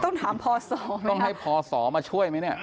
ต้องถามพศมั้ยครับต้องให้พศมาช่วยมั้ยเนี่ย